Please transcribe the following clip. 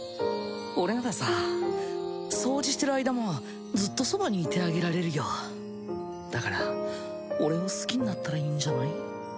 俺ならさ掃除してる間もずっとそばにいてあげられるよだから俺を好きになったらいいんじゃない？